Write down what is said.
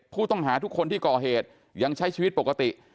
ผู้ต้องหาทุกคนที่ก่อเหตุยังใช้ชีวิตปกติ